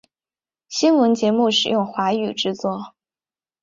新闻节目使用华语制作。